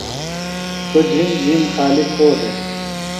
سوۡ جِھم جِھم خالیۡ کھو دےۡ۔ ۔